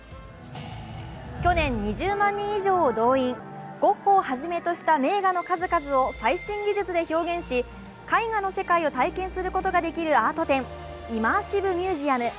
去年、２０万人以上を動員、ゴッホをはじめとした名画の数々を最新技術で表現し、絵画の世界を体験することができるアート展、イマーシブミュージアム。